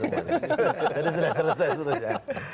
jadi sudah selesai